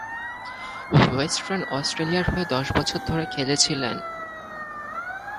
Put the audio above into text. Western অস্ট্রেলিয়ার হয়ে দশ বছর ধরে খেলেছিলেন।